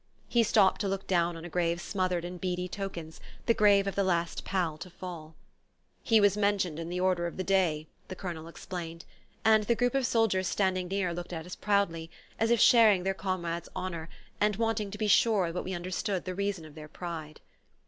He stopped to look down on a grave smothered in beady tokens, the grave of the last pal to fall. "He was mentioned in the Order of the Day," the Colonel explained; and the group of soldiers standing near looked at us proudly, as if sharing their comrade's honour, and wanting to be sure that we understood the reason of their pride...